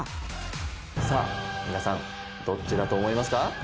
さあ皆さんどっちだと思いますか？